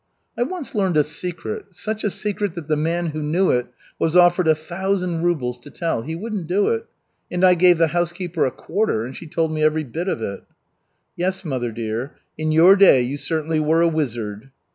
I once learned a secret, such a secret that the man who knew it was offered a thousand rubles to tell. He wouldn't do it. And I gave the housekeeper a quarter, and she told me every bit of it." "Yes, mother dear, in your day you certainly were a wizard."